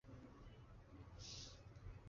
巨型羽翅鲎则发现于维吉尼亚州。